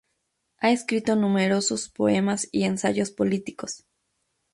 Ha escrito numerosos poemas y ensayos políticos.